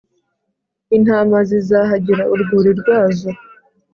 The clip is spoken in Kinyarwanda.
Intama zizahagira urwuri rwazo,